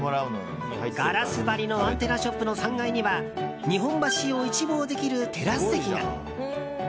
ガラス張りのアンテナショップの３階には日本橋を一望できるテラス席が。